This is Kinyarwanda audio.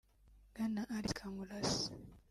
Bwana Alex Kamurase